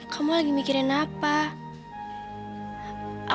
kamu lagi mikirin apa